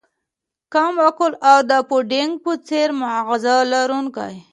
کم عقل او د پوډینګ په څیر ماغزه لرونکی